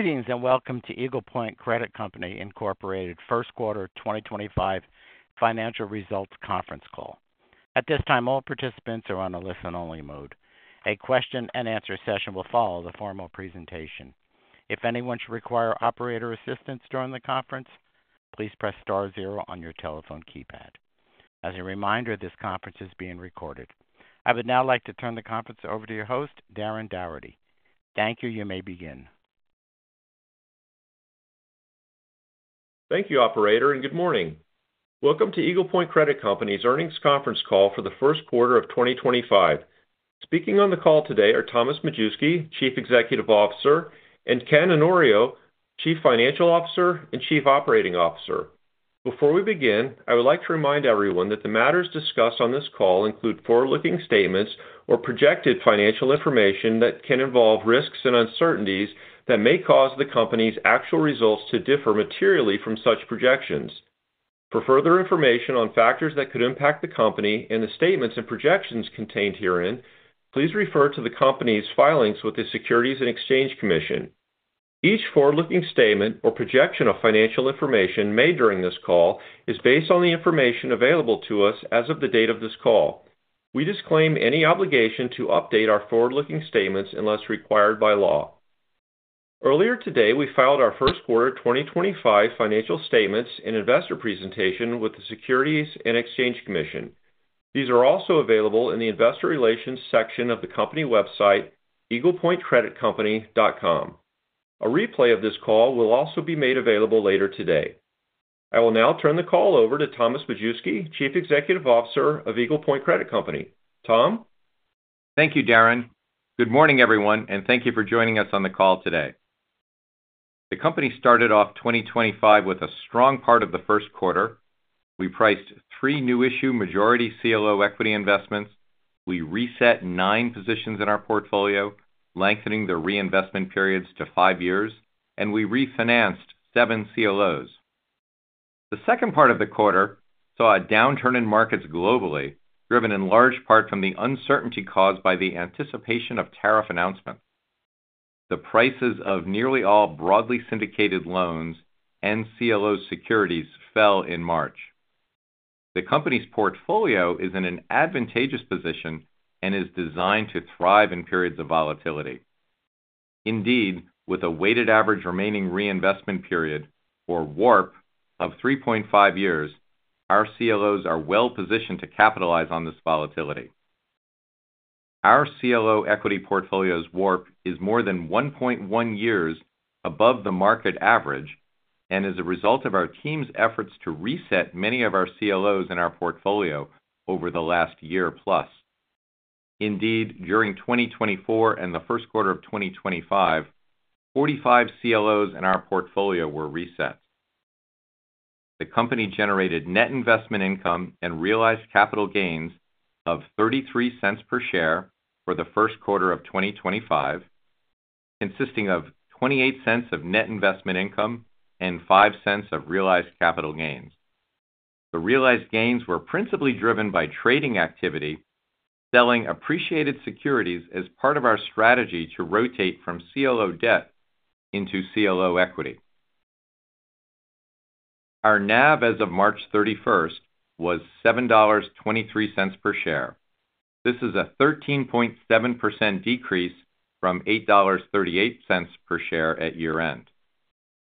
Greetings and welcome to Eagle Point Credit Company Incorporated first quarter 2025 financial results conference call. At this time, all participants are on a listen-only mode. A question-and-answer session will follow the formal presentation. If anyone should require operator assistance during the conference, please press star zero on your telephone keypad. As a reminder, this conference is being recorded. I would now like to turn the conference over to your host, Darren Dougherty. Darren, you may begin. Thank you, Operator, and good morning. Welcome to Eagle Point Credit Company's earnings conference call for the first quarter of 2025. Speaking on the call today are Thomas Majewski, Chief Executive Officer, and Ken Onorio, Chief Financial Officer and Chief Operating Officer. Before we begin, I would like to remind everyone that the matters discussed on this call include forward-looking statements or projected financial information that can involve risks and uncertainties that may cause the company's actual results to differ materially from such projections. For further information on factors that could impact the company and the statements and projections contained herein, please refer to the company's filings with the Securities and Exchange Commission. Each forward-looking statement or projection of financial information made during this call is based on the information available to us as of the date of this call. We disclaim any obligation to update our forward-looking statements unless required by law. Earlier today, we filed our first quarter 2025 financial statements and investor presentation with the Securities and Exchange Commission. These are also available in the investor relations section of the company website, eaglepointcreditcompany.com. A replay of this call will also be made available later today. I will now turn the call over to Thomas Majewski, Chief Executive Officer of Eagle Point Credit Company. Tom? Thank you, Darren. Good morning, everyone, and thank you for joining us on the call today. The company started off 2025 with a strong part of the first quarter. We priced three new-issue majority CLO equity investments. We reset nine positions in our portfolio, lengthening the reinvestment periods to five years, and we refinanced seven CLOs. The second part of the quarter saw a downturn in markets globally, driven in large part from the uncertainty caused by the anticipation of tariff announcements. The prices of nearly all broadly syndicated loans and CLO securities fell in March. The company's portfolio is in an advantageous position and is designed to thrive in periods of volatility. Indeed, with a Weighted Average Remaining Reinvestment Period, or WARP, of 3.5 years, our CLOs are well positioned to capitalize on this volatility. Our CLO equity portfolio's WARP is more than 1.1 years above the market average and is a result of our team's efforts to reset many of our CLOs in our portfolio over the last year plus. Indeed, during 2024 and the first quarter of 2025, 45 CLOs in our portfolio were reset. The company generated net investment income and realized capital gains of $0.33 per share for the first quarter of 2025, consisting of $0.28 of net investment income and $0.05 of realized capital gains. The realized gains were principally driven by trading activity, selling appreciated securities as part of our strategy to rotate from CLO debt into CLO equity. Our NAV as of March 31st was $7.23 per share. This is a 13.7% decrease from $8.38 per share at year-end.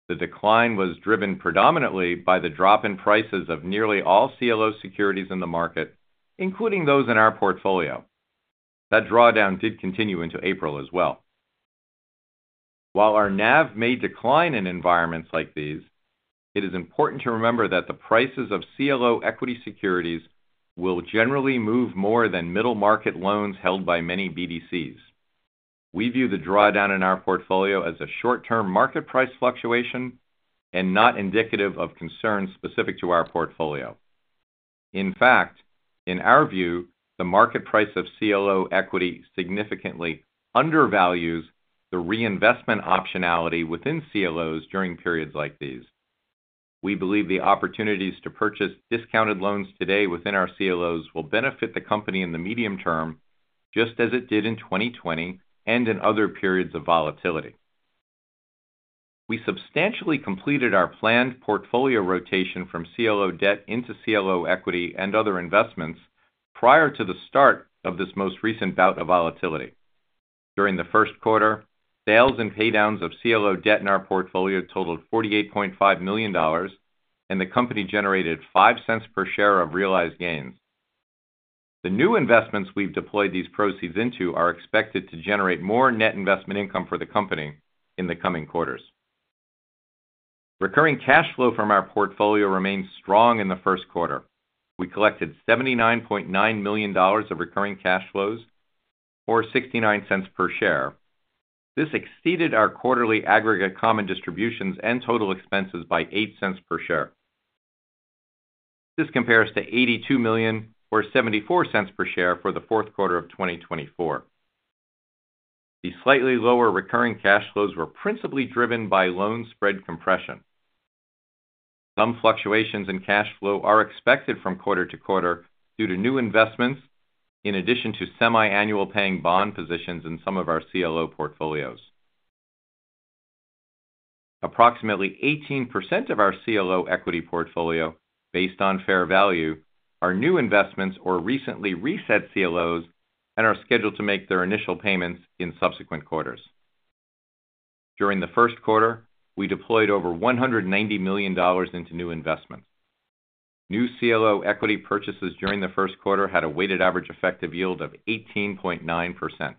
The decline was driven predominantly by the drop in prices of nearly all CLO securities in the market, including those in our portfolio. That drawdown did continue into April as well. While our NAV may decline in environments like these, it is important to remember that the prices of CLO equity securities will generally move more than middle market loans held by many BDCs. We view the drawdown in our portfolio as a short-term market price fluctuation and not indicative of concerns specific to our portfolio. In fact, in our view, the market price of CLO equity significantly undervalues the reinvestment optionality within CLOs during periods like these. We believe the opportunities to purchase discounted loans today within our CLOs will benefit the company in the medium term, just as it did in 2020 and in other periods of volatility. We substantially completed our planned portfolio rotation from CLO debt into CLO equity and other investments prior to the start of this most recent bout of volatility. During the first quarter, sales and paydowns of CLO debt in our portfolio totaled $48.5 million, and the company generated $0.05 per share of realized gains. The new investments we've deployed these proceeds into are expected to generate more net investment income for the company in the coming quarters. Recurring cash flow from our portfolio remained strong in the first quarter. We collected $79.9 million of recurring cash flows, or $0.69 per share. This exceeded our quarterly aggregate common distributions and total expenses by $0.08 per share. This compares to $82 million or $0.74 per share for the fourth quarter of 2024. The slightly lower recurring cash flows were principally driven by loan spread compression. Some fluctuations in cash flow are expected from quarter to quarter due to new investments, in addition to semi-annual paying bond positions in some of our CLO portfolios. Approximately 18% of our CLO equity portfolio, based on fair value, are new investments or recently reset CLOs and are scheduled to make their initial payments in subsequent quarters. During the first quarter, we deployed over $190 million into new investments. New CLO equity purchases during the first quarter had a weighted average effective yield of 18.9%.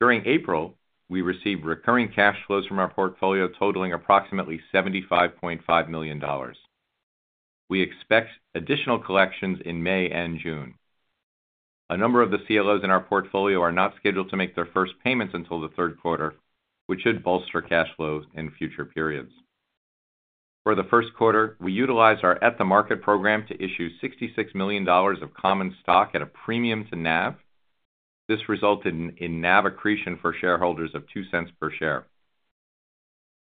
During April, we received recurring cash flows from our portfolio totaling approximately $75.5 million. We expect additional collections in May and June. A number of the CLOs in our portfolio are not scheduled to make their first payments until the third quarter, which should bolster cash flows in future periods. For the first quarter, we utilized our At the Market program to issue $66 million of common stock at a premium to NAV. This resulted in NAV accretion for shareholders of $0.02 per share.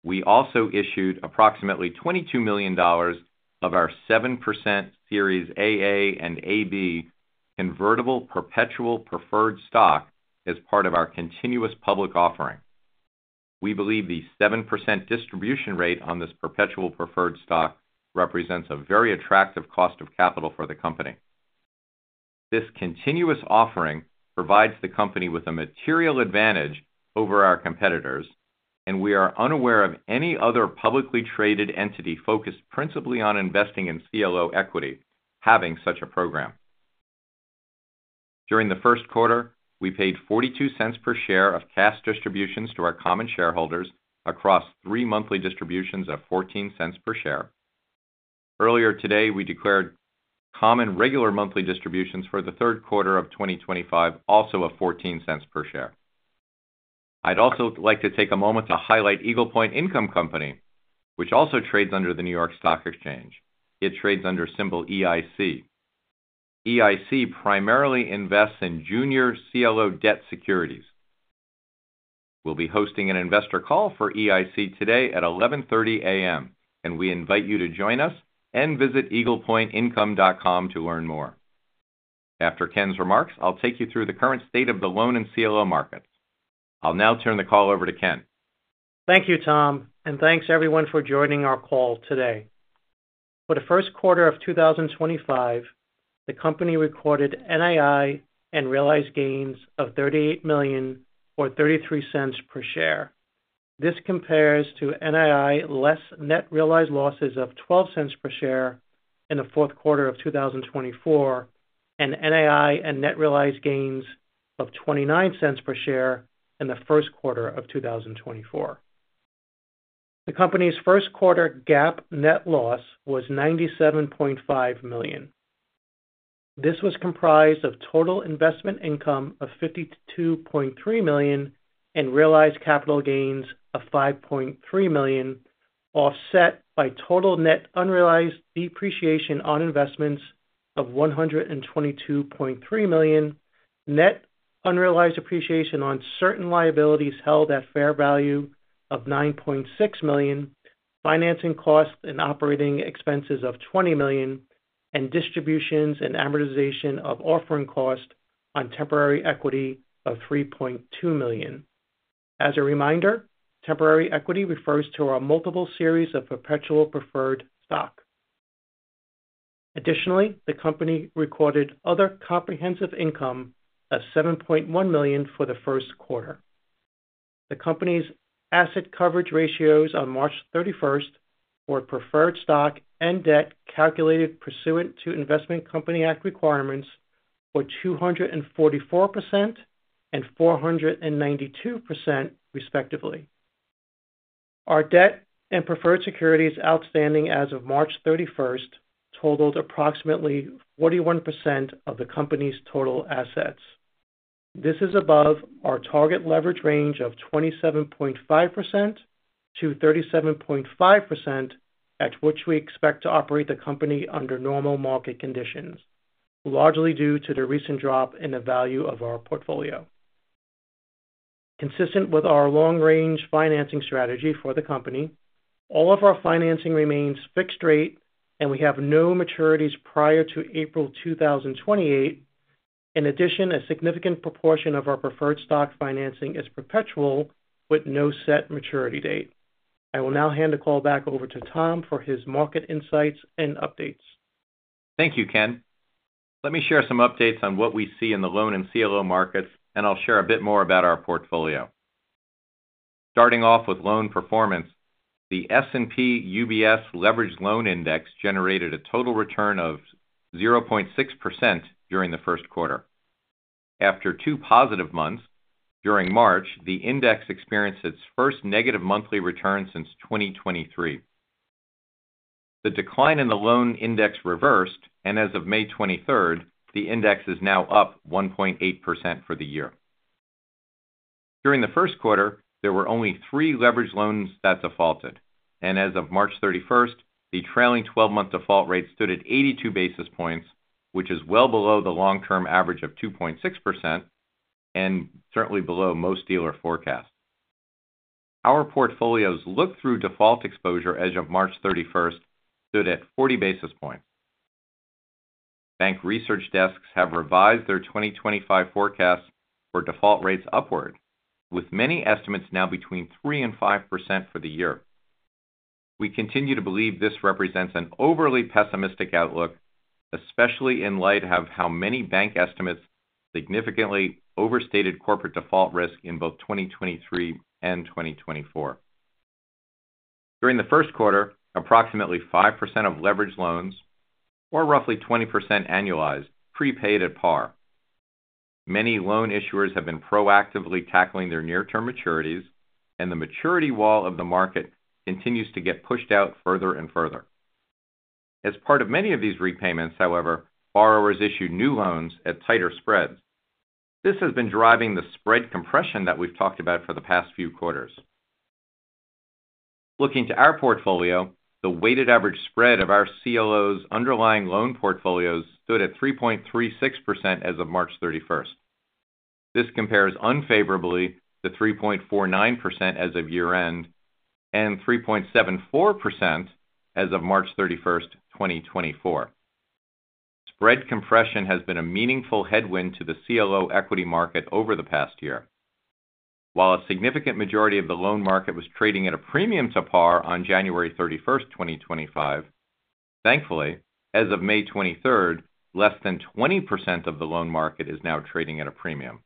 We also issued approximately $22 million of our 7% Series AA and AB convertible perpetual preferred stock as part of our continuous public offering. We believe the 7% distribution rate on this perpetual preferred stock represents a very attractive cost of capital for the company. This continuous offering provides the company with a material advantage over our competitors, and we are unaware of any other publicly traded entity focused principally on investing in CLO equity having such a program. During the first quarter, we paid $0.42 per share of cash distributions to our common shareholders across three monthly distributions of $0.14 per share. Earlier today, we declared common regular monthly distributions for the third quarter of 2025 also of $0.14 per share. I'd also like to take a moment to highlight Eagle Point Income Company, which also trades under the New York Stock Exchange. It trades under symbol EIC. EIC primarily invests in junior CLO debt securities. We'll be hosting an Investor Call for EIC today at 11:30 A.M., and we invite you to join us and visit eaglepointincome.com to learn more. After Ken's remarks, I'll take you through the current state of the loan and CLO markets. I'll now turn the call over to Ken. Thank you, Tom, and thanks everyone for joining our call today. For the first quarter of 2025, the company recorded NII and realized gains of $38.33 per share. This compares to NII less net realized losses of $0.12 per share in the fourth quarter of 2024 and NII and net realized gains of $0.29 per share in the first quarter of 2024. The company's first quarter GAAP net loss was $97.5 million. This was comprised of total investment income of $52.3 million and realized capital gains of $5.3 million, offset by total net unrealized depreciation on investments of $122.3 million, net unrealized appreciation on certain liabilities held at fair value of $9.6 million, financing costs and operating expenses of $20 million, and distributions and amortization of offering cost on temporary equity of $3.2 million. As a reminder, temporary equity refers to our multiple series of perpetual preferred stock. Additionally, the company recorded other comprehensive income of $7.1 million for the first quarter. The company's asset coverage ratios on March 31st for preferred stock and debt calculated pursuant to Investment Company Act requirements were 244% and 492%, respectively. Our debt and preferred securities outstanding as of March 31st totaled approximately 41% of the company's total assets. This is above our target leverage range of 27.5%-37.5%, at which we expect to operate the company under normal market conditions, largely due to the recent drop in the value of our portfolio. Consistent with our long-range financing strategy for the company, all of our financing remains fixed rate, and we have no maturities prior to April 2028. In addition, a significant proportion of our preferred stock financing is perpetual with no set maturity date. I will now hand the call back over to Tom for his market insights and updates. Thank you, Ken. Let me share some updates on what we see in the Loan and CLO markets, and I'll share a bit more about our portfolio. Starting off with loan performance, the S&P UBS Leveraged Loan Index generated a total return of 0.6% during the first quarter. After two positive months, during March, the index experienced its first negative monthly return since 2023. The decline in the loan index reversed, and as of May 23rd, the index is now up 1.8% for the year. During the first quarter, there were only three leveraged loans that defaulted, and as of March 31st, the trailing 12-month default rate stood at 82 basis points, which is well below the long-term average of 2.6% and certainly below most dealer forecasts. Our portfolios looked through default exposure as of March 31st, stood at 40 basis points. Bank research desks have revised their 2025 forecasts for default rates upward, with many estimates now between 3% and 5% for the year. We continue to believe this represents an overly pessimistic outlook, especially in light of how many bank estimates significantly overstated corporate default risk in both 2023 and 2024. During the first quarter, approximately 5% of leveraged loans, or roughly 20% annualized, prepaid at par. Many loan issuers have been proactively tackling their near-term maturities, and the maturity wall of the market continues to get pushed out further and further. As part of many of these repayments, however, borrowers issued new loans at tighter spreads. This has been driving the spread compression that we've talked about for the past few quarters. Looking to our portfolio, the weighted average spread of our CLOs' underlying loan portfolios stood at 3.36% as of March 31st. This compares unfavorably to 3.49% as of year-end and 3.74% as of March 31st, 2024. Spread compression has been a meaningful headwind to the CLO equity market over the past year. While a significant majority of the loan market was trading at a premium to par on January 31st, 2025, thankfully, as of May 23rd, less than 20% of the loan market is now trading at a premium.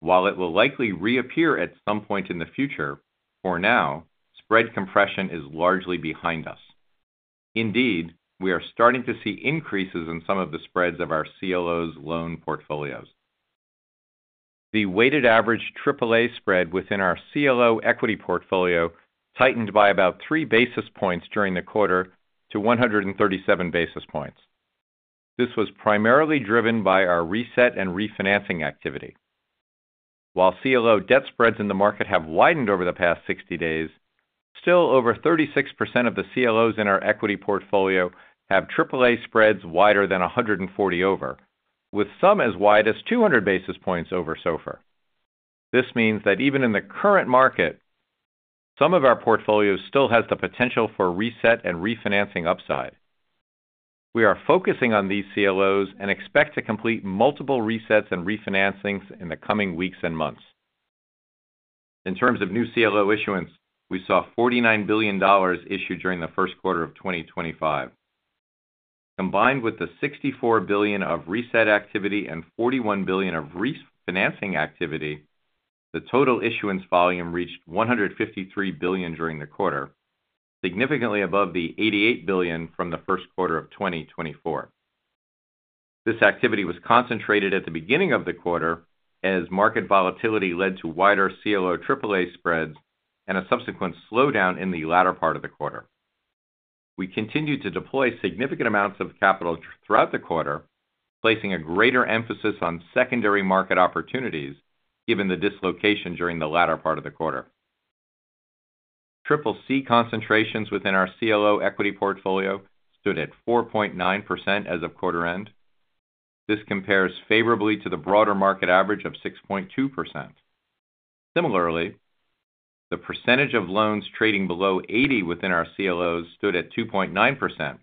While it will likely reappear at some point in the future, for now, spread compression is largely behind us. Indeed, we are starting to see increases in some of the spreads of our CLOs' loan portfolios. The weighted average AAA spread within our CLO equity portfolio tightened by about three basis points during the quarter to 137 basis points. This was primarily driven by our reset and refinancing activity. While CLO debt spreads in the market have widened over the past 60 days, still over 36% of the CLOs in our equity portfolio have AAA spreads wider than 140 over, with some as wide as 200 basis points over so far. This means that even in the current market, some of our portfolio still has the potential for reset and refinancing upside. We are focusing on these CLOs and expect to complete multiple resets and refinancings in the coming weeks and months. In terms of new CLO issuance, we saw $49 billion issued during the first quarter of 2025. Combined with the $64 billion of reset activity and $41 billion of refinancing activity, the total issuance volume reached $153 billion during the quarter, significantly above the $88 billion from the first quarter of 2024. This activity was concentrated at the beginning of the quarter as market volatility led to wider CLO AAA spreads and a subsequent slowdown in the latter part of the quarter. We continued to deploy significant amounts of capital throughout the quarter, placing a greater emphasis on secondary market opportunities given the dislocation during the latter part of the quarter. CCC concentrations within our CLO equity portfolio stood at 4.9% as of quarter-end. This compares favorably to the broader market average of 6.2%. Similarly, the percentage of loans trading below 80 within our CLOs stood at 2.9%.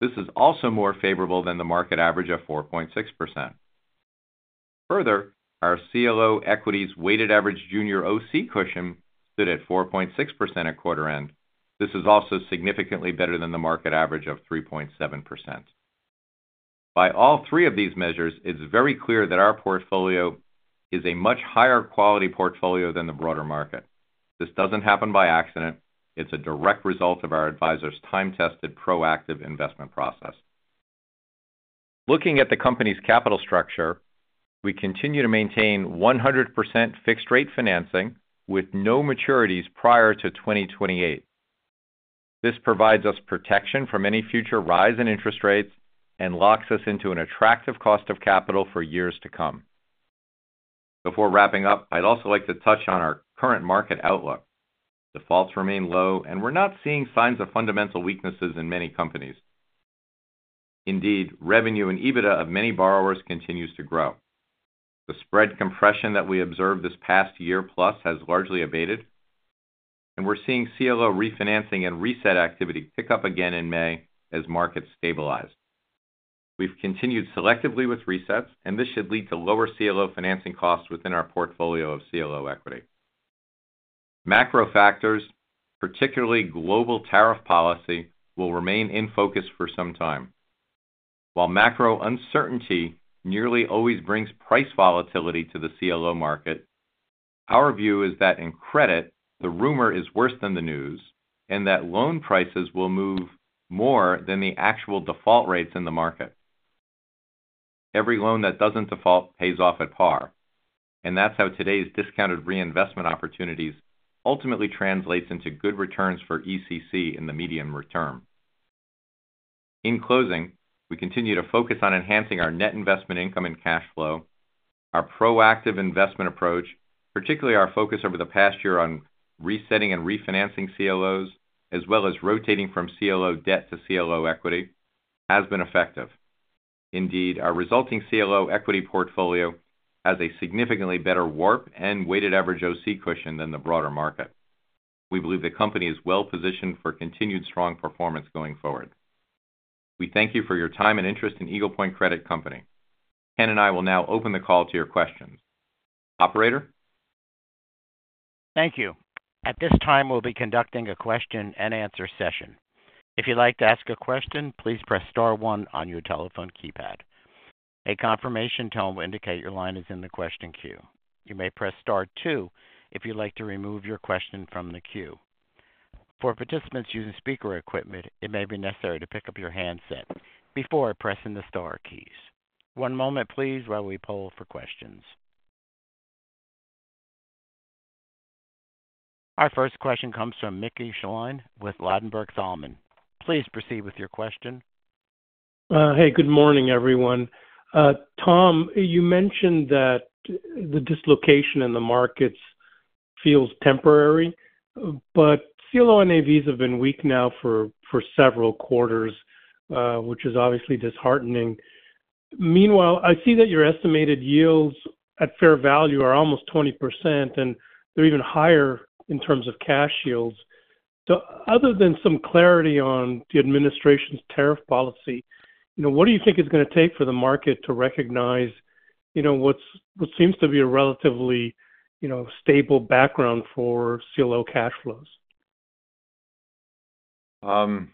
This is also more favorable than the market average of 4.6%. Further, our CLO equity's weighted average junior OC cushion stood at 4.6% at quarter-end. This is also significantly better than the market average of 3.7%. By all three of these measures, it's very clear that our portfolio is a much higher quality portfolio than the broader market. This doesn't happen by accident. It's a direct result of our advisor's time-tested proactive investment process. Looking at the company's capital structure, we continue to maintain 100% fixed-rate financing with no maturities prior to 2028. This provides us protection from any future rise in interest rates and locks us into an attractive cost of capital for years to come. Before wrapping up, I'd also like to touch on our current market outlook. Defaults remain low, and we're not seeing signs of fundamental weaknesses in many companies. Indeed, revenue and EBITDA of many borrowers continues to grow. The spread compression that we observed this past year-plus has largely abated, and we're seeing CLO refinancing and reset activity pick up again in May as markets stabilize. We've continued selectively with resets, and this should lead to lower CLO financing costs within our portfolio of CLO equity. Macro factors, particularly global tariff policy, will remain in focus for some time. While macro uncertainty nearly always brings price volatility to the CLO market, our view is that in credit, the rumor is worse than the news, and that loan prices will move more than the actual default rates in the market. Every loan that doesn't default pays off at par, and that's how today's discounted reinvestment opportunities ultimately translate into good returns for ECC in the medium term. In closing, we continue to focus on enhancing our net investment income and cash flow. Our proactive investment approach, particularly our focus over the past year on resetting and refinancing CLOs, as well as rotating from CLO debt to CLO equity, has been effective. Indeed, our resulting CLO equity portfolio has a significantly better WARP and weighted average OC cushion than the broader market. We believe the company is well-positioned for continued strong performance going forward. We thank you for your time and interest in Eagle Point Credit Company. Ken and I will now open the call to your questions. Operator? Thank you. At this time, we'll be conducting a question-and-answer session. If you'd like to ask a question, please press star one on your telephone keypad. A confirmation tone will indicate your line is in the question queue. You may press star two if you'd like to remove your question from the queue. For participants using speaker equipment, it may be necessary to pick up your handset before pressing the star keys. One moment, please, while we poll for questions. Our first question comes from Mickey Schleien with Ladenburg Thalmann. Please proceed with your question. Hey, good morning, everyone. Tom, you mentioned that the dislocation in the markets feels temporary, but CLO NAVs have been weak now for several quarters, which is obviously disheartening. Meanwhile, I see that your estimated yields at fair value are almost 20%, and they're even higher in terms of cash yields. Other than some clarity on the administration's tariff policy, what do you think is going to take for the market to recognize what seems to be a relatively stable background for CLO cash flows? I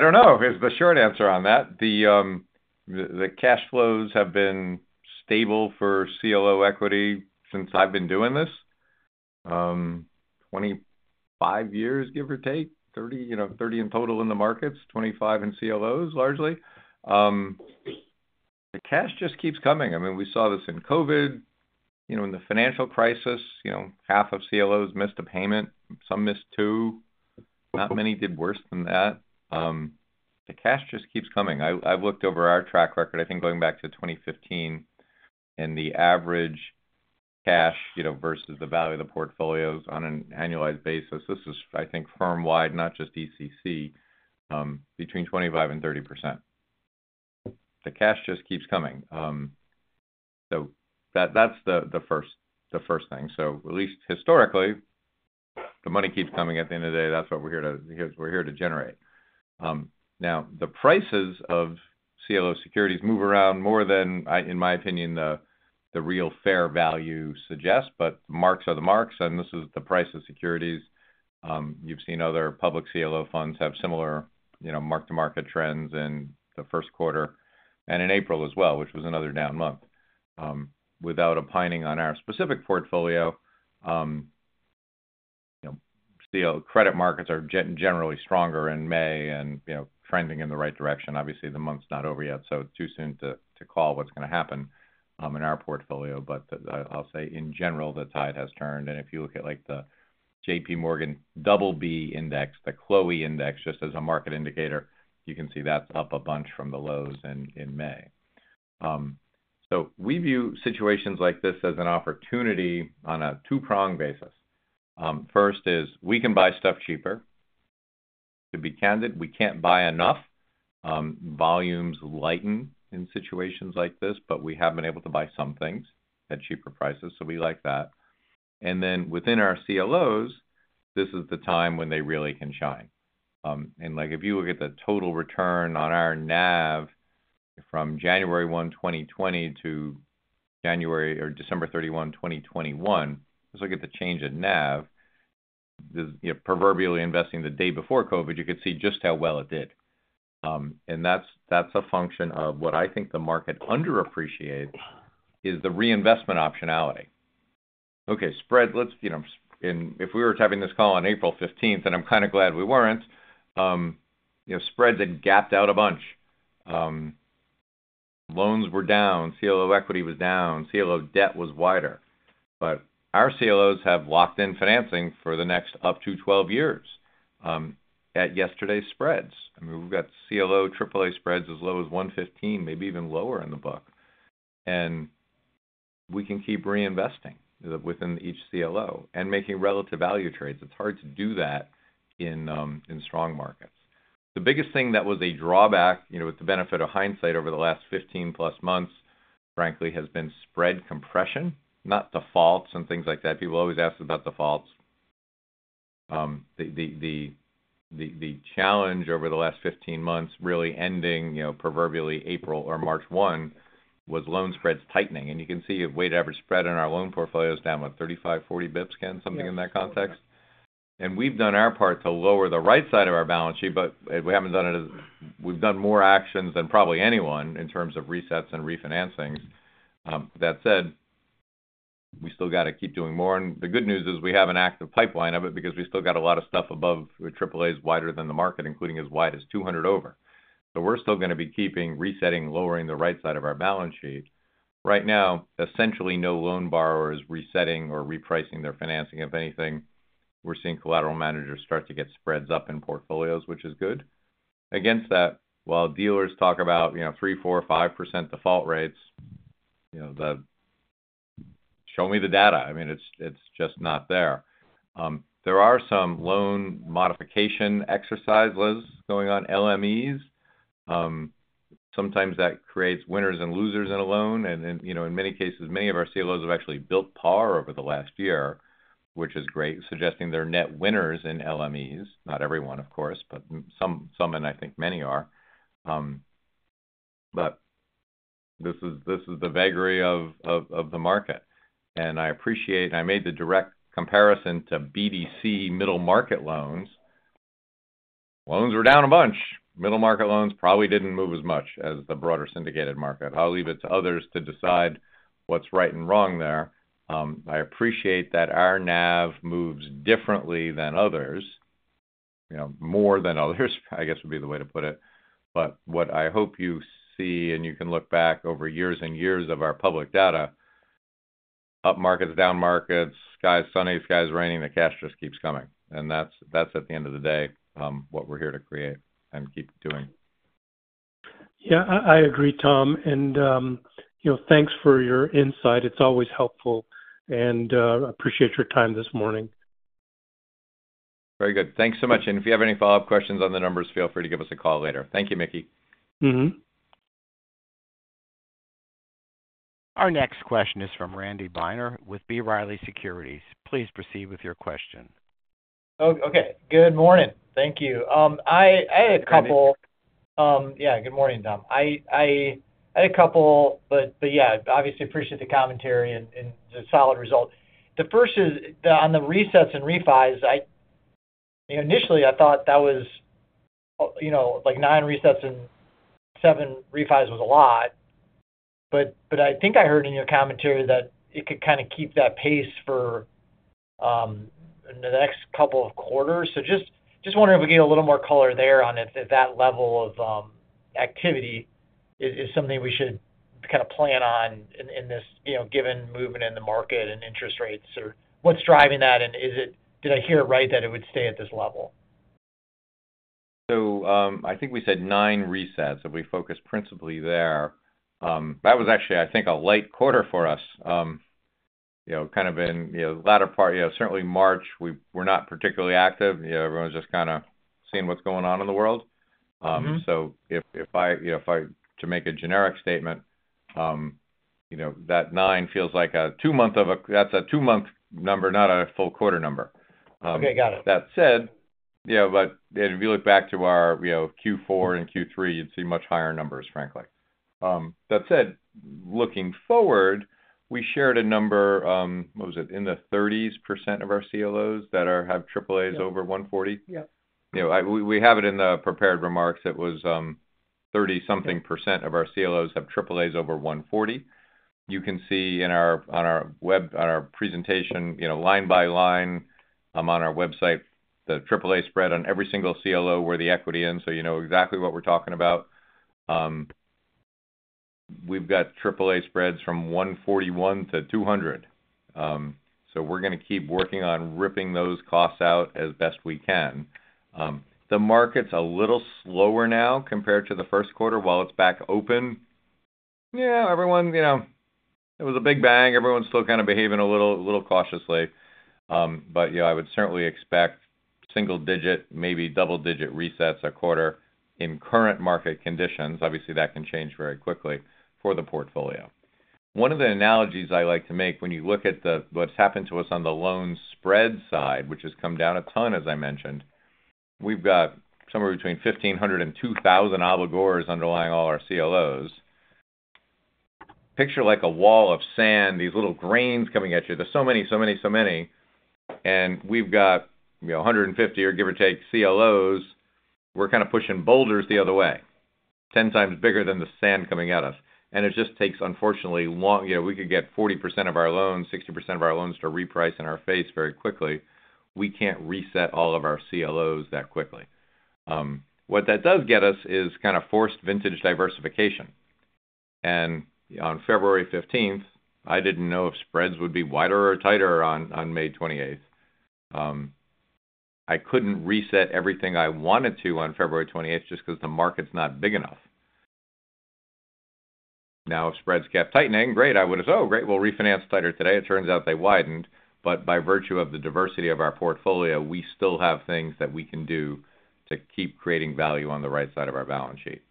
don't know. Here's the short answer on that. The cash flows have been stable for CLO equity since I've been doing this. Twenty-five years, give or take, thirty in total in the markets, twenty-five in CLOs, largely. The cash just keeps coming. I mean, we saw this in COVID, in the financial crisis, half of CLOs missed a payment, some missed two. Not many did worse than that. The cash just keeps coming. I've looked over our track record, I think going back to 2015, and the average cash versus the value of the portfolios on an annualized basis. This is, I think, firm-wide, not just ECC, between 25% and 30%. The cash just keeps coming. That's the first thing. At least historically, the money keeps coming at the end of the day. That's what we're here to generate. Now, the prices of CLO securities move around more than, in my opinion, the real fair value suggests, but marks are the marks, and this is the price of securities. You've seen other public CLO funds have similar mark-to-market trends in the first quarter and in April as well, which was another down month. Without opining on our specific portfolio, credit markets are generally stronger in May and trending in the right direction. Obviously, the month's not over yet, so it's too soon to call what's going to happen in our portfolio, but I'll say, in general, the tide has turned. If you look at the JPMorgan BB Index, the CLOIE Index, just as a market indicator, you can see that's up a bunch from the lows in May. We view situations like this as an opportunity on a two-pronged basis. First is we can buy stuff cheaper. To be candid, we can't buy enough. Volumes lighten in situations like this, but we have been able to buy some things at cheaper prices, so we like that. Within our CLOs, this is the time when they really can shine. If you look at the total return on our NAV from January 1, 2020, to December 31, 2021, let's look at the change in NAV. Proverbially investing the day before COVID, you could see just how well it did. That's a function of what I think the market underappreciates is the reinvestment optionality. Okay, spreads. If we were having this call on April 15, and I'm kind of glad we weren't, spreads had gapped out a bunch. Loans were down. CLO equity was down. CLO debt was wider. Our CLOs have locked-in financing for the next up to 12 years at yesterday's spreads. I mean, we've got CLO AAA spreads as low as 115, maybe even lower in the book. We can keep reinvesting within each CLO and making relative value trades. It's hard to do that in strong markets. The biggest thing that was a drawback, with the benefit of hindsight over the last 15-plus months, frankly, has been spread compression, not defaults and things like that. People always ask about defaults. The challenge over the last 15 months, really ending proverbially April or March 1, was loan spreads tightening. You can see a weighted average spread in our loan portfolios down about 35-40 basis points, Ken, something in that context. We have done our part to lower the right side of our balance sheet, but we have not done it as we have done more actions than probably anyone in terms of resets and refinancings. That said, we still have to keep doing more. The good news is we have an active pipeline of it because we still have a lot of stuff above AAAs wider than the market, including as wide as 200 over. We are still going to be keeping resetting, lowering the right side of our balance sheet. Right now, essentially no loan borrower is resetting or repricing their financing. If anything, we are seeing collateral managers start to get spreads up in portfolios, which is good. Against that, while dealers talk about 3%, 4%, 5% default rates, show me the data. I mean, it is just not there. There are some loan modification exercises, Liz, going on LMEs. Sometimes that creates winners and losers in a loan. In many cases, many of our CLOs have actually built par over the last year, which is great, suggesting they're net winners in LMEs. Not everyone, of course, but some, and I think many are. This is the vagary of the market. I appreciate I made the direct comparison to BDC middle market loans. Loans were down a bunch. Middle market loans probably didn't move as much as the broader syndicated market. I'll leave it to others to decide what's right and wrong there. I appreciate that our NAV moves differently than others, more than others, I guess would be the way to put it. What I hope you see, and you can look back over years and years of our public data, up markets, down markets, skies sunny, skies raining, the cash just keeps coming. That's at the end of the day what we're here to create and keep doing. Yeah, I agree, Tom. Thanks for your insight. It's always helpful. I appreciate your time this morning. Very good. Thanks so much. If you have any follow-up questions on the numbers, feel free to give us a call later. Thank you, Mickey. Our next question is from Randy Binner with B. Riley Securities. Please proceed with your question. Okay. Good morning. Thank you. I had a couple. Good morning. Yeah, good morning, Tom. I had a couple, but yeah, obviously appreciate the commentary and the solid result. The first is on the resets and refis. Initially, I thought that was like nine resets and seven refis was a lot. I think I heard in your commentary that it could kind of keep that pace for the next couple of quarters. Just wondering if we get a little more color there on if that level of activity is something we should kind of plan on in this given movement in the market and interest rates or what's driving that. Did I hear it right that it would stay at this level? I think we said nine resets if we focus principally there. That was actually, I think, a light quarter for us, kind of in the latter part. Certainly, March, we're not particularly active. Everyone's just kind of seeing what's going on in the world. If I make a generic statement, that nine feels like a two-month number, not a full quarter number. Okay, got it. That said, but if you look back to our Q4 and Q3, you'd see much higher numbers, frankly. That said, looking forward, we shared a number, what was it, in the 30s percent of our CLOs that have AAAs over 140. We have it in the prepared remarks. It was 30-something percent of our CLOs have AAAs over 140. You can see on our web, on our presentation, line by line on our website, the AAA spread on every single CLO where the equity ends, so you know exactly what we're talking about. We've got AAA spreads from 141-200. So we're going to keep working on ripping those costs out as best we can. The market's a little slower now compared to the first quarter. While it's back open, yeah, everyone, it was a big bang. Everyone's still kind of behaving a little cautiously. Yeah, I would certainly expect single-digit, maybe double-digit resets a quarter in current market conditions. Obviously, that can change very quickly for the portfolio. One of the analogies I like to make when you look at what's happened to us on the loan spread side, which has come down a ton, as I mentioned, we've got somewhere between 1,500 and 2,000 obligors underlying all our CLOs. Picture like a wall of sand, these little grains coming at you. There's so many, so many, so many. We've got 150, or give or take, CLOs. We're kind of pushing boulders the other way, 10 times bigger than the sand coming at us. It just takes, unfortunately, we could get 40% of our loans, 60% of our loans to reprice in our face very quickly. We can't reset all of our CLOs that quickly. What that does get us is kind of forced vintage diversification. On February 15th, I did not know if spreads would be wider or tighter on May 28th. I could not reset everything I wanted to on February 28th just because the market is not big enough. If spreads kept tightening, great, I would have said, "Oh, great, we will refinance tighter today." It turns out they widened. By virtue of the diversity of our portfolio, we still have things that we can do to keep creating value on the right side of our balance sheet.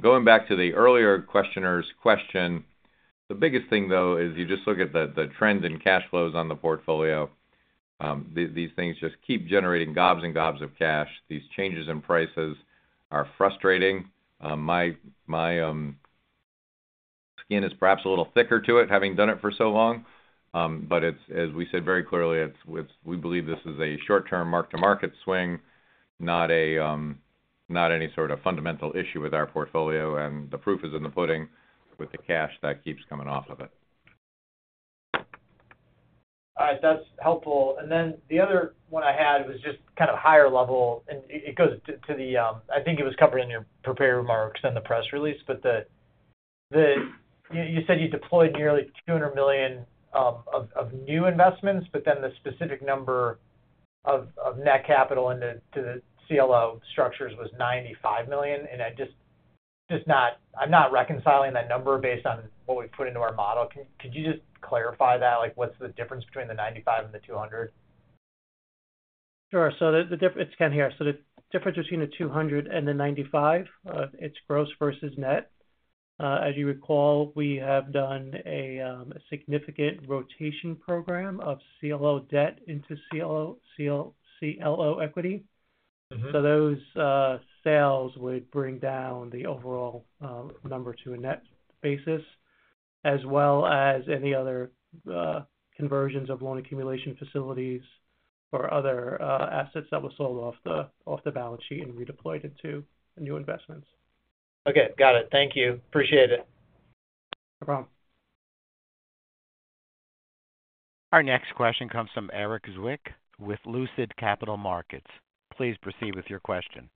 Going back to the earlier questioner's question, the biggest thing, though, is you just look at the trends in cash flows on the portfolio. These things just keep generating gobs and gobs of cash. These changes in prices are frustrating. My skin is perhaps a little thicker to it, having done it for so long. As we said very clearly, we believe this is a short-term mark-to-market swing, not any sort of fundamental issue with our portfolio. The proof is in the pudding with the cash that keeps coming off of it. All right. That's helpful. The other one I had was just kind of higher level. It goes to the, I think it was covered in your prepared remarks and the press release. You said you deployed nearly $200 million of new investments, but then the specific number of net capital into the CLO structures was $95 million. I'm not reconciling that number based on what we've put into our model. Could you just clarify that? What's the difference between the $95 million and the $200 million? Sure. It is kind of here. The difference between the $200 million and the $95 million, it is gross versus net. As you recall, we have done a significant rotation program of CLO debt into CLO equity. Those sales would bring down the overall number to a net basis, as well as any other conversions of loan accumulation facilities or other assets that were sold off the balance sheet and redeployed into new investments. Okay. Got it. Thank you. Appreciate it. No problem. Our next question comes from Erik Zwick with Lucid Capital Markets. Please proceed with your question.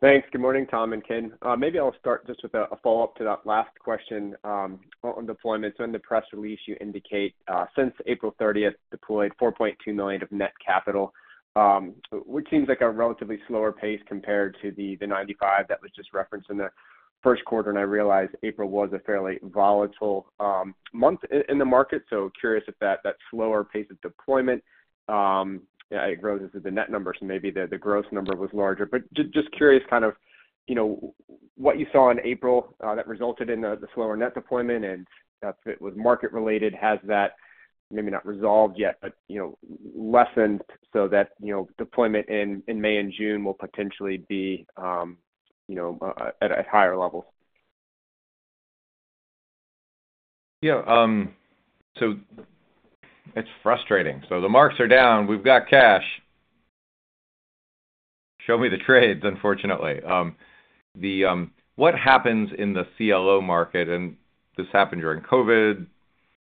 Thanks. Good morning, Tom and Ken. Maybe I'll start just with a follow-up to that last question on deployment. In the press release, you indicate since April 30th, deployed $4.2 million of net capital, which seems like a relatively slower pace compared to the $95 million that was just referenced in the first quarter. I realize April was a fairly volatile month in the market. Curious if that slower pace of deployment rose into the net numbers, maybe the gross number was larger. Just curious kind of what you saw in April that resulted in the slower net deployment. If it was market-related, has that maybe not resolved yet, but lessened so that deployment in May and June will potentially be at higher levels? Yeah. So it's frustrating. The marks are down. We've got cash. Show me the trades, unfortunately. What happens in the CLO market? This happened during COVID.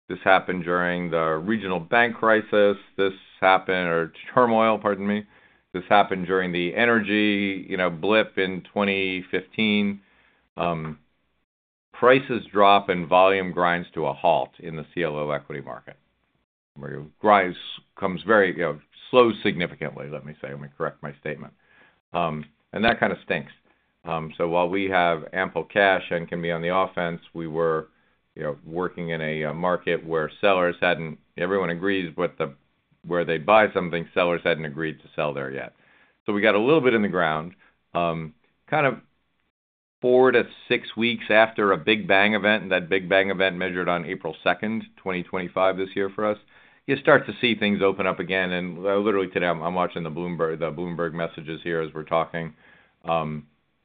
This happened during the regional bank crisis. This happened, or turmoil, pardon me. This happened during the energy blip in 2015. Prices drop and volume grinds to a halt in the CLO equity market, where it becomes very slow, significantly, let me say. Let me correct my statement. That kind of stinks. While we have ample cash and can be on the offense, we were working in a market where sellers hadn't—everyone agrees, but where they'd buy something, sellers hadn't agreed to sell there yet. We got a little bit in the ground kind of four to six weeks after a big bang event. That big bang event measured on April 2nd, 2025, this year for us. You start to see things open up again. Literally today, I'm watching the Bloomberg messages here as we're talking.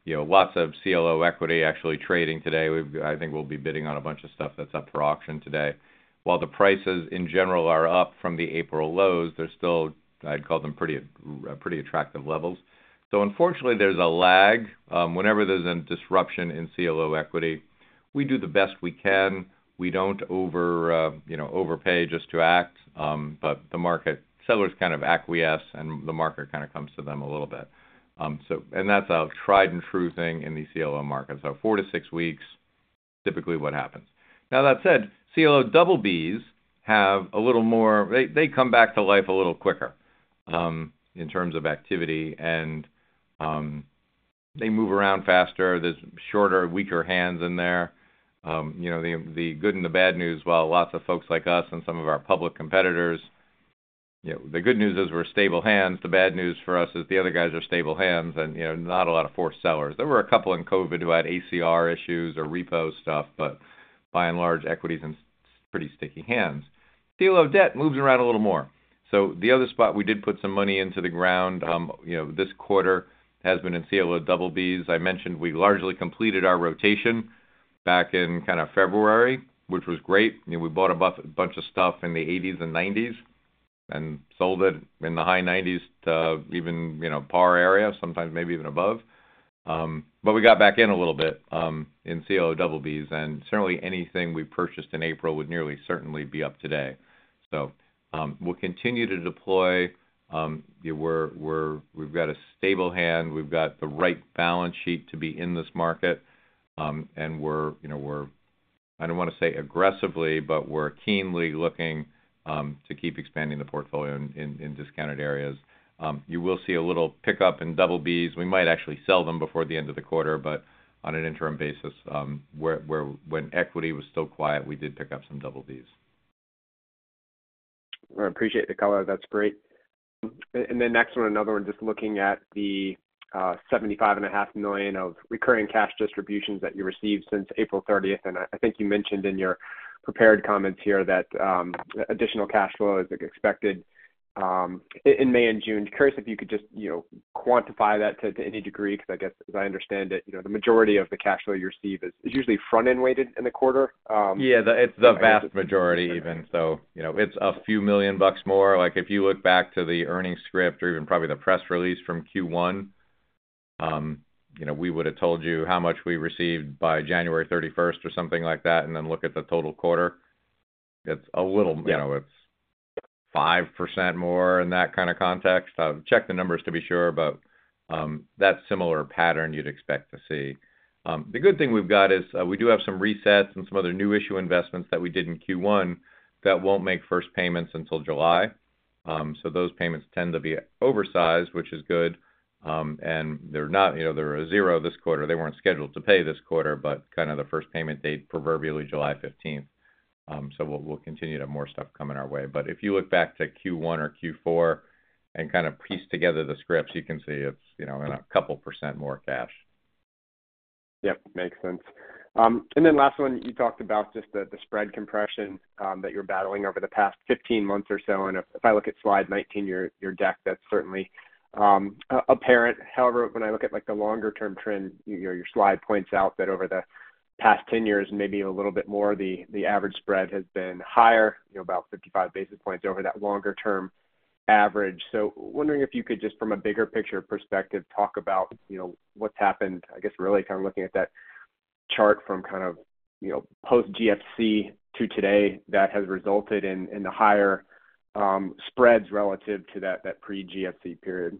Lots of CLO equity actually trading today. I think we'll be bidding on a bunch of stuff that's up for auction today. While the prices in general are up from the April lows, they're still, I'd call them, pretty attractive levels. Unfortunately, there's a lag. Whenever there's a disruption in CLO equity, we do the best we can. We don't overpay just to act. The market, sellers kind of acquiesce, and the market kind of comes to them a little bit. That's a tried-and-true thing in the CLO market. Four to six weeks, typically what happens. Now, that said, CLO BBs have a little more, they come back to life a little quicker in terms of activity. They move around faster. Shorter, weaker hands in there. The good and the bad news, while lots of folks like us and some of our public competitors, the good news is we are stable hands. The bad news for us is the other guys are stable hands and not a lot of forced sellers. There were a couple in COVID who had ACR issues or repo stuff, but by and large, equities are in pretty sticky hands. CLO debt moves around a little more. The other spot we did put some money into the ground this quarter has been in CLO BBs. I mentioned we largely completed our rotation back in kind of February, which was great. We bought a bunch of stuff in the 80s and 90s and sold it in the high 90s to even par area, sometimes maybe even above. We got back in a little bit in CLO BBs. Certainly, anything we purchased in April would nearly certainly be up today. We will continue to deploy. We have got a stable hand. We have got the right balance sheet to be in this market. We are, I do not want to say aggressively, but we are keenly looking to keep expanding the portfolio in discounted areas. You will see a little pickup in BBs. We might actually sell them before the end of the quarter, but on an interim basis, when equity was still quiet, we did pick up some BBs. I appreciate the color. That's great. Next one, another one, just looking at the $75.5 million of recurring cash distributions that you received since April 30. I think you mentioned in your prepared comments here that additional cash flow is expected in May and June. Curious if you could just quantify that to any degree, because I guess, as I understand it, the majority of the cash flow you receive is usually front-end weighted in the quarter. Yeah, it's the vast majority even. It's a few million bucks more. If you look back to the earnings script or even probably the press release from Q1, we would have told you how much we received by January 31st or something like that. If you look at the total quarter, it's a little, it's 5% more in that kind of context. Check the numbers to be sure, but that's a similar pattern you'd expect to see. The good thing we've got is we do have some resets and some other new issue investments that we did in Q1 that won't make first payments until July. Those payments tend to be oversized, which is good. They're a zero this quarter. They weren't scheduled to pay this quarter, but kind of the first payment date proverbially July 15th. We'll continue to have more stuff coming our way. If you look back to Q1 or Q4 and kind of piece together the scripts, you can see it's a couple percent more cash. Yep, makes sense. Then last one, you talked about just the spread compression that you're battling over the past 15 months or so. If I look at slide 19, your deck, that's certainly apparent. However, when I look at the longer-term trend, your slide points out that over the past 10 years, maybe a little bit more, the average spread has been higher, about 55 basis points over that longer-term average. I am wondering if you could just, from a bigger picture perspective, talk about what's happened, I guess, really kind of looking at that chart from kind of post-GFC to today that has resulted in the higher spreads relative to that pre-GFC period.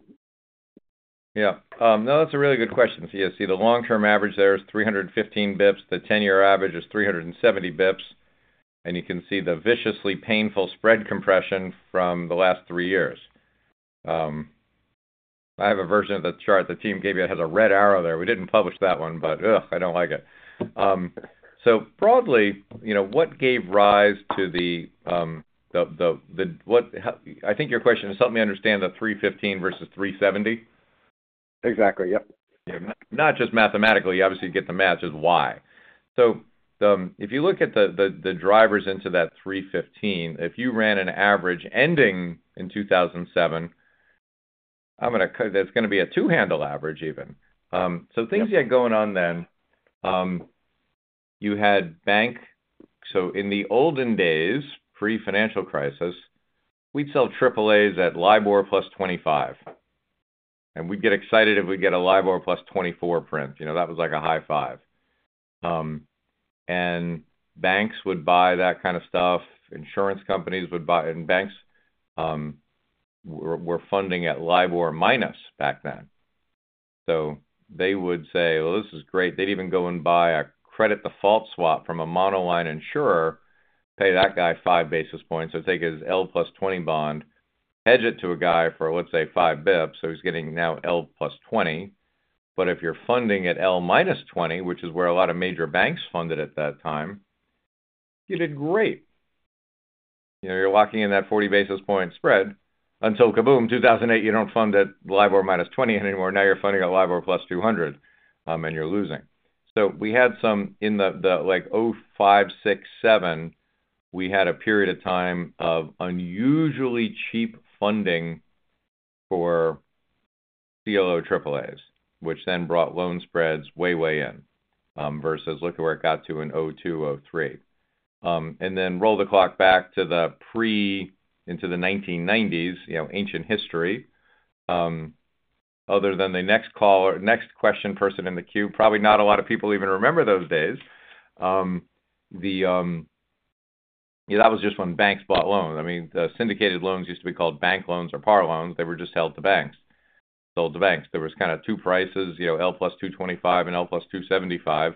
Yeah. No, that's a really good question. You see the long-term average there is 315 basis points. The 10-year average is 370 basis points. You can see the viciously painful spread compression from the last three years. I have a version of the chart the team gave you that has a red arrow there. We did not publish that one, but I do not like it. Broadly, what gave rise to the, I think your question is, help me understand the 315 versus 370. Exactly. Yep. Not just mathematically. Obviously, you get the math, just why. If you look at the drivers into that 315, if you ran an average ending in 2007, I'm going to cut that's going to be a two-handle average even. Things you had going on then, you had bank. In the olden days, pre-financial crisis, we'd sell AAAs at LIBOR plus 25. We'd get excited if we'd get a LIBOR plus 24 print. That was like a high five. Banks would buy that kind of stuff. Insurance companies would buy. Banks were funding at LIBOR minus back then. They would say, "This is great." They'd even go and buy a credit default swap from a monoline insurer, pay that guy five basis points. Take his L plus 20 bond, hedge it to a guy for, let's say, five basis points. He's getting now L plus 20. If you're funding at L minus 20, which is where a lot of major banks funded at that time, you did great. You're locking in that 40 basis point spread until kaboom, 2008, you don't fund at LIBOR minus 20 anymore. Now you're funding at LIBOR plus 200, and you're losing. We had some in 2005, 2006, 2007, we had a period of time of unusually cheap funding for CLO AAAs, which then brought loan spreads way, way in versus look at where it got to in 2002, 2003. Roll the clock back to the pre into the 1990s, ancient history. Other than the next question person in the queue, probably not a lot of people even remember those days. That was just when banks bought loans. I mean, syndicated loans used to be called bank loans or par loans. They were just held to banks, sold to banks. There was kind of two prices, L plus 225 and L plus 275.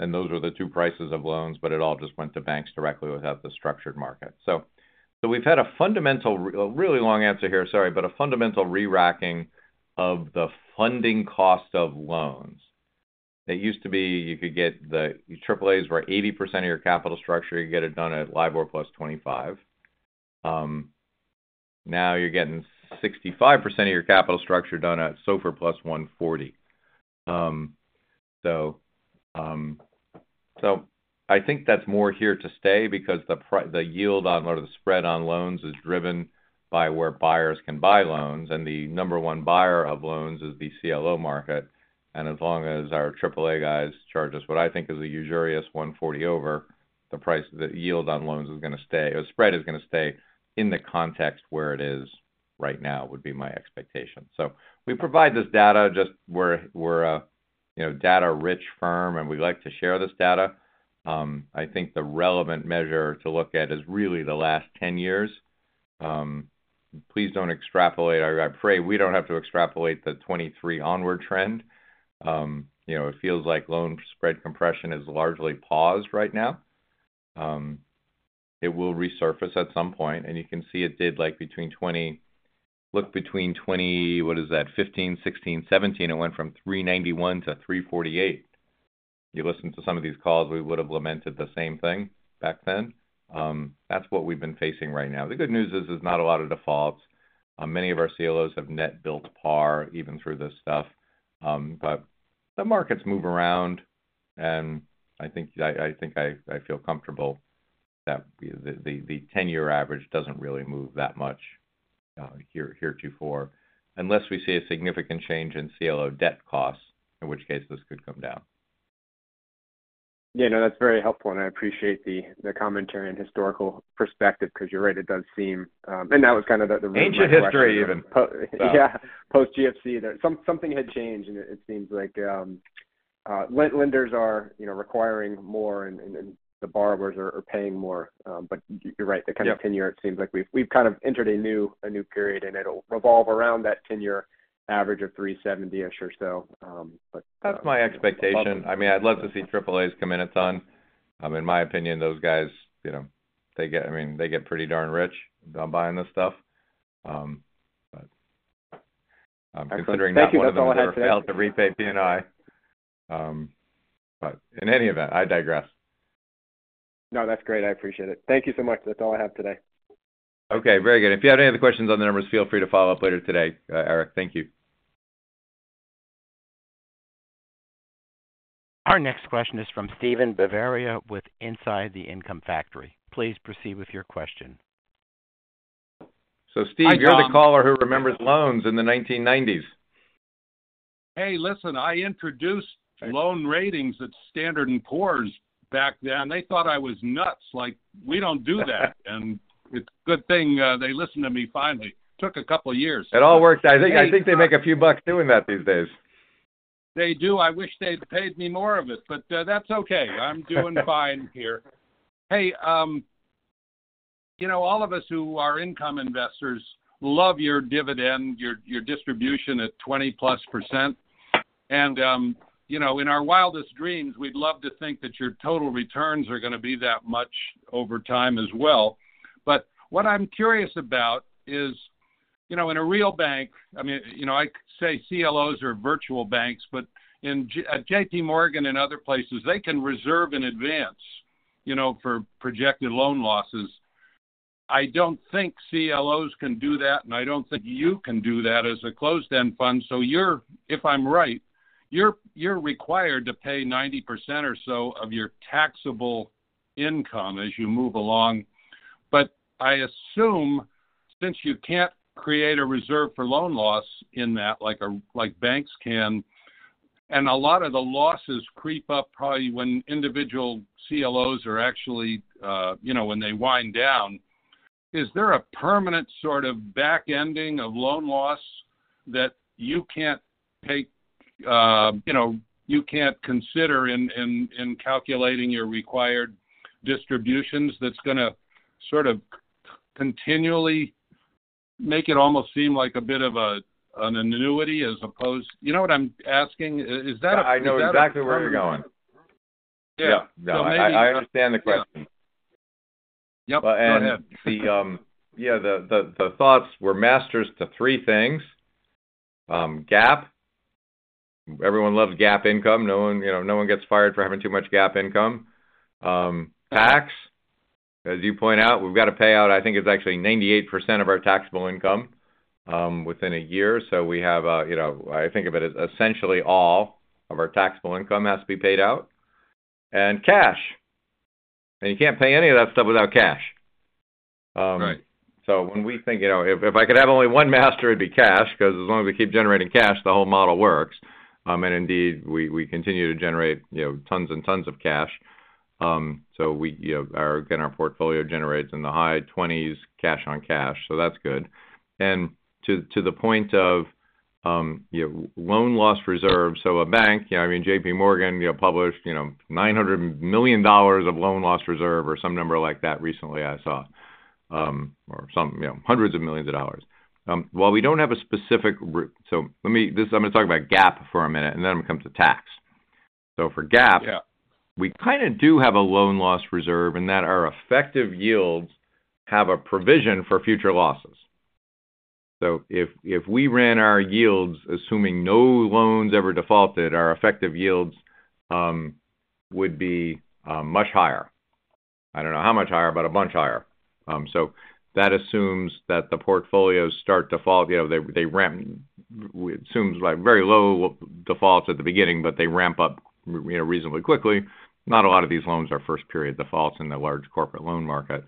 And those were the two prices of loans, but it all just went to banks directly without the structured market. We've had a fundamental really long answer here, sorry, but a fundamental re-racking of the funding cost of loans. It used to be you could get the AAAs were 80% of your capital structure. You could get it done at LIBOR plus 25. Now you're getting 65% of your capital structure done at SOFR plus 140. I think that's more here to stay because the yield on or the spread on loans is driven by where buyers can buy loans. The number one buyer of loans is the CLO market. As long as our AAA guys charge us what I think is a usurious 140 over, the price, the yield on loans is going to stay. The spread is going to stay in the context where it is right now would be my expectation. We provide this data. We are a data-rich firm, and we like to share this data. I think the relevant measure to look at is really the last 10 years. Please do not extrapolate. I pray we do not have to extrapolate the 2023 onward trend. It feels like loan spread compression is largely paused right now. It will resurface at some point. You can see it did, like between 20, look between 2015, 2016, 2017, it went from 391 to 348. You listen to some of these calls, we would have lamented the same thing back then. That's what we've been facing right now. The good news is there's not a lot of defaults. Many of our CLOs have net built par even through this stuff. The markets move around. I think I feel comfortable that the 10-year average doesn't really move that much here too far unless we see a significant change in CLO debt costs, in which case this could come down. Yeah, no, that's very helpful. I appreciate the commentary and historical perspective because you're right, it does seem, and that was kind of the. Ancient history even. Yeah, post-GFC, something had changed. It seems like lenders are requiring more and the borrowers are paying more. You're right, the kind of 10-year, it seems like we've kind of entered a new period, and it'll revolve around that 10-year average of 370-ish or so. That's my expectation. I mean, I'd love to see AAAs come in its own. In my opinion, those guys, I mean, they get pretty darn rich on buying this stuff. Considering that's all I have today. Thank you. That's all I have today. Health, repay, P&I. In any event, I digress. No, that's great. I appreciate it. Thank you so much. That's all I have today. Okay, very good. If you have any other questions on the numbers, feel free to follow up later today, Erik. Thank you. Our next question is from Steven Bavaria with Inside the Income Factory. Please proceed with your question. Steve, you're the caller who remembers loans in the 1990s. Hey, listen, I introduced loan ratings at Standard and Poor's back then. They thought I was nuts. Like, we don't do that. And it's a good thing they listened to me finally. Took a couple of years. It all works out. I think they make a few bucks doing that these days. They do. I wish they'd paid me more of it, but that's okay. I'm doing fine here. Hey, all of us who are income investors love your dividend, your distribution at 20%+. In our wildest dreams, we'd love to think that your total returns are going to be that much over time as well. What I'm curious about is, in a real bank, I mean, I say CLOs are virtual banks, but at JPMorgan and other places, they can reserve in advance for projected loan losses. I don't think CLOs can do that, and I don't think you can do that as a closed-end fund. If I'm right, you're required to pay 90% or so of your taxable income as you move along. I assume since you can't create a reserve for loan loss in that like banks can, and a lot of the losses creep up probably when individual CLOs are actually, when they wind down, is there a permanent sort of back-ending of loan loss that you can't take, you can't consider in calculating your required distributions that's going to sort of continually make it almost seem like a bit of an annuity as opposed, you know what I'm asking? Is that a? I know exactly where we're going. Yeah. I understand the question. Yeah, the thoughts were masters to three things: GAAP. Everyone loves GAAP income. No one gets fired for having too much GAAP income. Tax, as you point out, we've got to pay out, I think it's actually 98% of our taxable income within a year. So we have, I think of it as essentially all of our taxable income has to be paid out. And cash. You can't pay any of that stuff without cash. When we think, if I could have only one master, it'd be cash, because as long as we keep generating cash, the whole model works. Indeed, we continue to generate tons and tons of cash. Our portfolio generates in the high 20s cash on cash. That's good. To the point of loan loss reserve, a bank, I mean, JPMorgan published $900 million of loan loss reserve or some number like that recently I saw, or hundreds of millions of dollars. While we do not have a specific, I am going to talk about GAAP for a minute, and then we come to tax. For GAAP, we kind of do have a loan loss reserve in that our effective yields have a provision for future losses. If we ran our yields assuming no loans ever defaulted, our effective yields would be much higher. I do not know how much higher, but a bunch higher. That assumes that the portfolios start default. It assumes very low defaults at the beginning, but they ramp up reasonably quickly. Not a lot of these loans are first-period defaults in the large corporate loan market.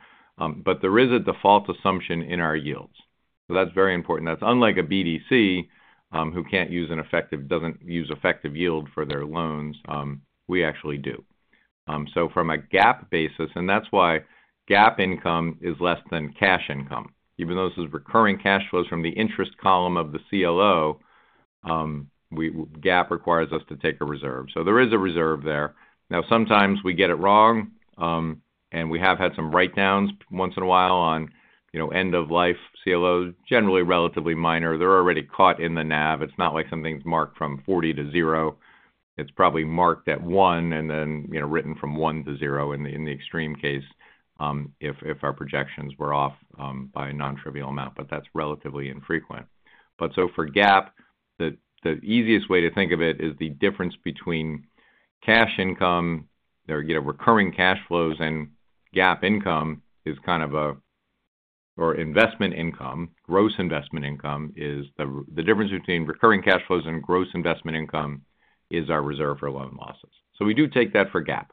There is a default assumption in our yields. That is very important. That is unlike a BDC who cannot use an effective, does not use effective yield for their loans. We actually do. From a GAAP basis, and that is why GAAP income is less than cash income. Even though this is recurring cash flows from the interest column of the CLO, GAAP requires us to take a reserve. There is a reserve there. Now, sometimes we get it wrong, and we have had some write-downs once in a while on end-of-life CLOs, generally relatively minor. They are already caught in the NAV. It is not like something is marked from 40 to 0. It is probably marked at 1 and then written from 1 to 0 in the extreme case if our projections were off by a non-trivial amount. That is relatively infrequent. For GAAP, the easiest way to think of it is the difference between cash income, recurring cash flows, and GAAP income is kind of a, or investment income, gross investment income is the difference between recurring cash flows and gross investment income is our reserve for loan losses. We do take that for GAAP.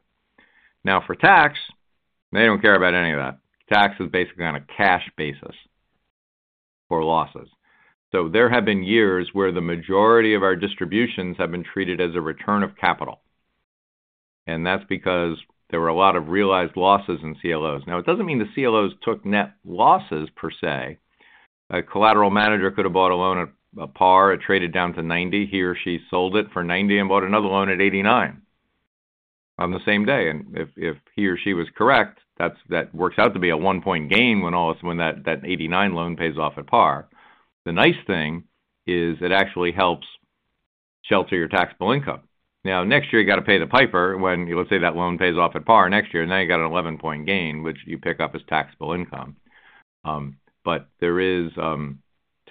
Now, for tax, they do not care about any of that. Tax is basically on a cash basis for losses. There have been years where the majority of our distributions have been treated as a return of capital. That is because there were a lot of realized losses in CLOs. It does not mean the CLOs took net losses per se. A collateral manager could have bought a loan at par, it traded down to 90, he or she sold it for 90 and bought another loan at 89 on the same day. If he or she was correct, that works out to be a one-point gain when that 89 loan pays off at par. The nice thing is it actually helps shelter your taxable income. Now, next year, you got to pay the piper when, let's say, that loan pays off at par next year, and now you got an 11-point gain, which you pick up as taxable income. There is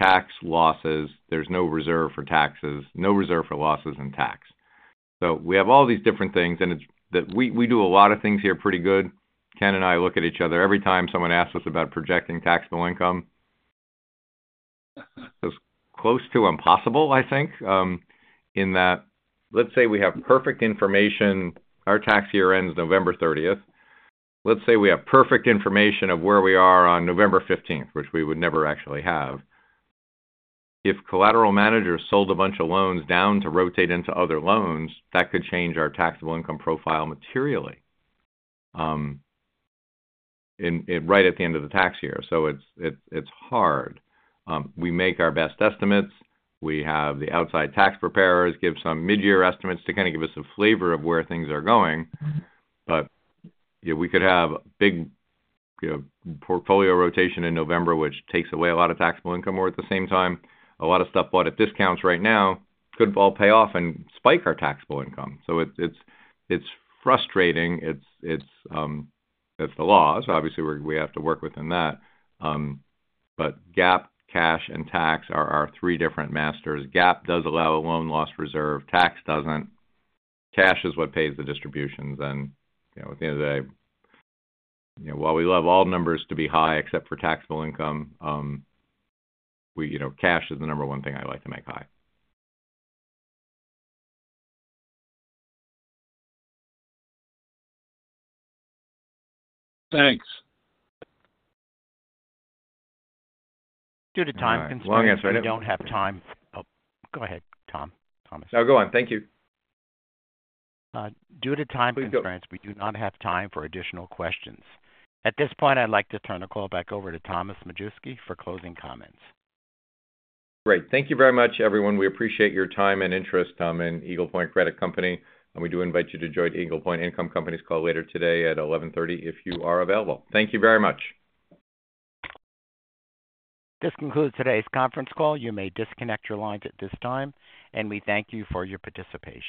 tax losses. There is no reserve for taxes, no reserve for losses in tax. We have all these different things, and we do a lot of things here pretty good. Ken and I look at each other every time someone asks us about projecting taxable income. It's close to impossible, I think, in that let's say we have perfect information. Our tax year ends November 30th. Let's say we have perfect information of where we are on November 15th, which we would never actually have. If collateral managers sold a bunch of loans down to rotate into other loans, that could change our taxable income profile materially right at the end of the tax year. It's hard. We make our best estimates. We have the outside tax preparers give some mid-year estimates to kind of give us a flavor of where things are going. We could have a big portfolio rotation in November, which takes away a lot of taxable income or at the same time, a lot of stuff bought at discounts right now could all pay off and spike our taxable income. It's frustrating. It's the laws. Obviously, we have to work within that. Gap, cash, and tax are our three different masters. Gap does allow a loan loss reserve. Tax doesn't. Cash is what pays the distributions. At the end of the day, while we love all numbers to be high except for taxable income, cash is the number one thing I like to make high. Thanks. Due to time constraints, we don't have time. Oh, go ahead, Tom. No, go on. Thank you. Due to time constraints, we do not have time for additional questions. At this point, I'd like to turn the call back over to Thomas Majewski for closing comments. Great. Thank you very much, everyone. We appreciate your time and interest in Eagle Point Credit Company. We do invite you to join Eagle Point Income Company's call later today at 11:30 if you are available. Thank you very much. This concludes today's conference call. You may disconnect your lines at this time. We thank you for your participation.